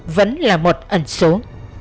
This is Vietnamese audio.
vẫn là một ẩn số